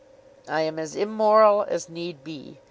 I am as immoral as need be.